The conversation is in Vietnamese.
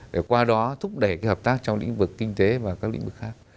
để qua đó thúc đẩy hợp tác trong lĩnh vực kinh tế và các lĩnh vực khác